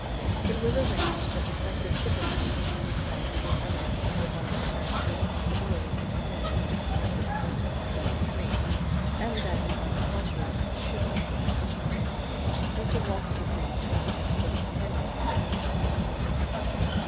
It was arranged that Inspector Chippenfield should be called to give evidence in rebuttal as to the impossibility of seeing the library window through the tree, and that an arboriculturist should also be called. Mr. Walters agreed to have the expert in attendance at the court in the morning.